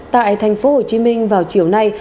tại tp hcm vào chiều nay